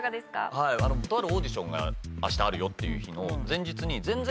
とあるオーディションが明日あるよっていう日の前日に。